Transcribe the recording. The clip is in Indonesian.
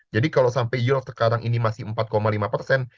jadi kalau sampai yul sekarang ini masih empat lima persen